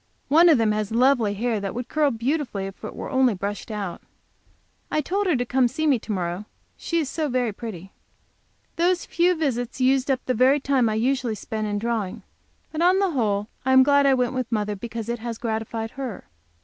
One of them has lovely hair that would curl beautifully if it were only brushed out. I told her to come to see me to morrow, she is so very pretty. Those few visits used up the very time I usually spend in drawing. But on the whole I am glad I went with mother, because it has gratified her.